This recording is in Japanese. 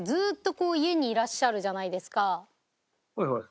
はいはい。